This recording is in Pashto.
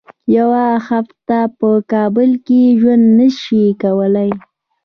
یوه هفته په کابل کې ژوند نه شي کولای.